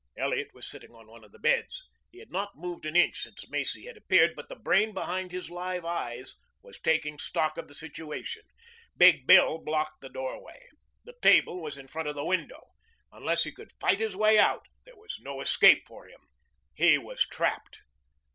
Elliot was sitting on one of the beds. He had not moved an inch since Macy had appeared, but the brain behind his live eyes was taking stock of the situation. Big Bill blocked the doorway. The table was in front of the window. Unless he could fight his way out, there was no escape for him. He was trapped.